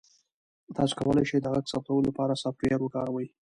تاسو کولی شئ د غږ ثبتولو لپاره سافټویر وکاروئ.